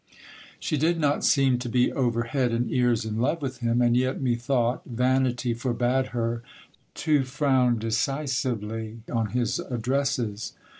She did not seem to be over head and ears in love with him ; and yet, methought, vanity forbade her to frown decisively on his addresses.